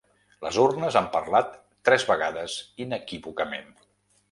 Les urnes han parlat tres vegades inequívocament.